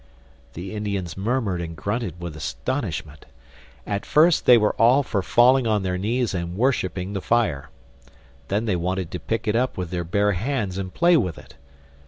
The Indians murmured and grunted with astonishment. At first they were all for falling on their knees and worshiping the fire. Then they wanted to pick it up with their bare hands and play with it.